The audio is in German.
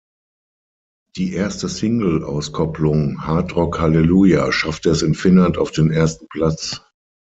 Die erste Singleauskopplung "Hard Rock Hallelujah" schaffte es in Finnland auf den ersten Platz.